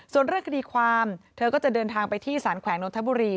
ส่วนเรื่องคดีความเธอก็จะเดินทางไปที่สารแขวงนนทบุรี